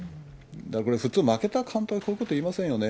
だからこれ、普通、負けた監督がこういうこと言いませんよね。